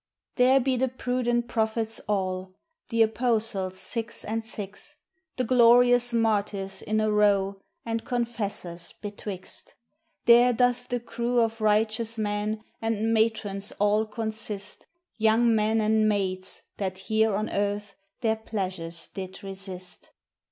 There be the prudent prophets all, The apostles six and six, The glorious martyrs in a row, And confessors betwixt. There doth the crew of righteous men And matrons all consist Young men and maids that here on earth Their pleasures did resist.